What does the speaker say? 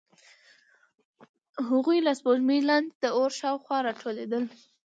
هغوی له سپوږمۍ لاندې د اور شاوخوا راټولېدل.